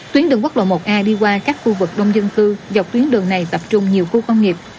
tuyến đường quốc lộ một a đi qua các khu vực đông dân cư dọc tuyến đường này tập trung nhiều khu công nghiệp